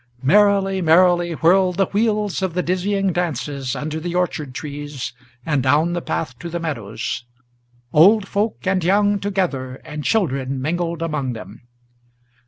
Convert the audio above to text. Merrily, merrily whirled the wheels of the dizzying dances Under the orchard trees and down the path to the meadows; Old folk and young together, and children mingled among them.